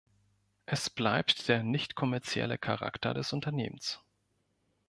Es bleibt der nicht-kommerzielle Charakter des Unternehmens.